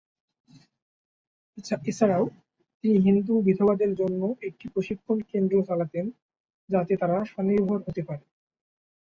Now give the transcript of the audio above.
এছাড়াও, তিনি হিন্দু বিধবাদের জন্য একটি প্রশিক্ষণ কেন্দ্র চালাতেন যাতে তারা স্বনির্ভর হতে পারে।